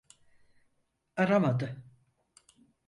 Aramadı.